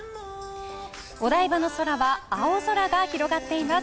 お台場の空は青空が広がっています。